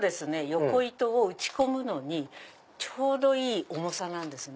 横糸を打ち込むのにちょうどいい重さなんですね。